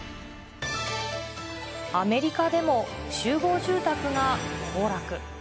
アメリカでも集合住宅が崩落。